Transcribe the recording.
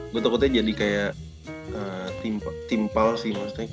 gue takutnya jadi kayak timpal sih maksudnya